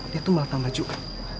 dia itu malah tambah juga